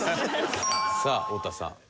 さあ太田さん。